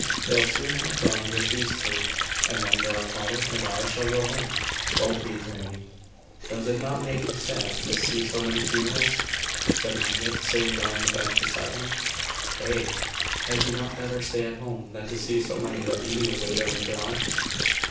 "They'll soon have done with these two, and then grandfather and I shall go home. Won't we, granny?" "Does it not make you sad to see so many funerals?" said Margaret, sitting down on the bench beside him. "Ay." "Had you not better stay at home than see so many that you knew laid in the ground?"